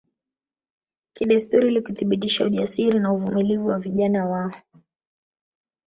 Kidesturi ili kuthibitisha ujasiri na uvumilivu wa vijana wao